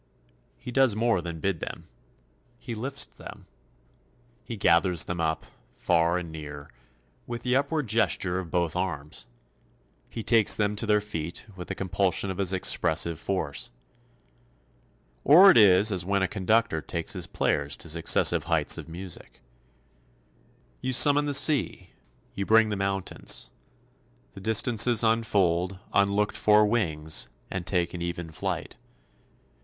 He does more than bid them. He lifts them, he gathers them up, far and near, with the upward gesture of both arms; he takes them to their feet with the compulsion of his expressive force. Or it is as when a conductor takes his players to successive heights of music. You summon the sea, you bring the mountains, the distances unfold unlooked for wings and take an even flight.